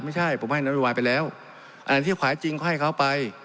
ไม่ใช่ผมให้นโยบายไปแล้วอันที่ขายจริงก็ให้เขาไป